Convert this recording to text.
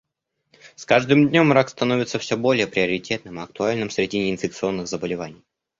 С каждым днем рак становится все более приоритетным и актуальным среди неинфекционных заболеваний.